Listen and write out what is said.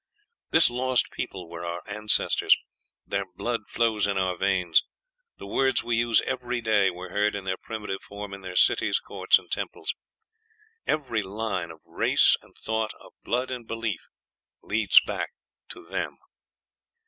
This lost people were our ancestors, their blood flows in our veins; the words we use every day were heard, in their primitive form, in their cities, courts, and temples. Every line of race and thought, of blood and belief, leads back to them.